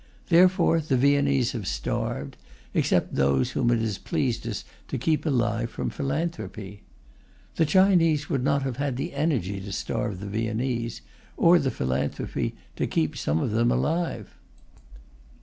Therefore the Viennese have starved, except those whom it has pleased us to keep alive from philanthropy. The Chinese would not have had the energy to starve the Viennese, or the philanthropy to keep some of them alive.